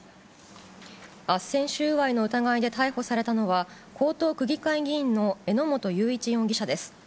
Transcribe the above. あっせん収賄の疑いで逮捕されたのは、江東区議会議員の榎本雄一容疑者です。